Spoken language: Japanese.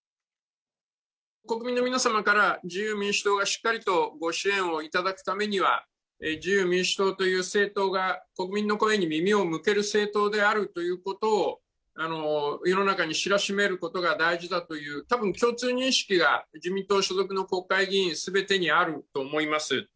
国民の皆様から自由民主党がしっかりとご支援を頂くためには、自由民主党という政党が国民の声に耳を向ける政党であるということを、世の中に知らしめることが大事だという、たぶん、共通認識が自民党所属の国会議員すべてにあると思います。